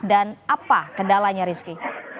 apa kendalanya rizky